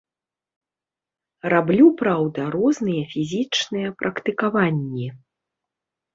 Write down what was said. Раблю, праўда, розныя фізічныя практыкаванні.